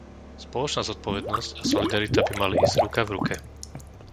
Spoločná zodpovednosť a solidarita by mali ísť ruka v ruke.